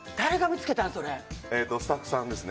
スタッフさんですね。